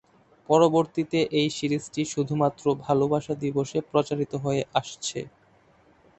পরবর্তীতে এই সিরিজটি শুধুমাত্র ভালোবাসা দিবসে প্রচারিত হয়ে আসছে।